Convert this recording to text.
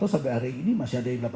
sampai hari ini masih ada yang